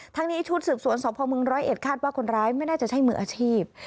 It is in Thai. ทั้งนี้ชุดสืบสวนสพมร้อยเอ็ดคาดว่าคนร้ายไม่น่าจะใช่มืออาชีพ